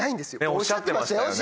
おっしゃってましたよね